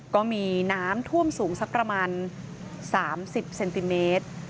ก็มีน้ำท่วมสูงสักประมาณ๓๐เซนติเมตร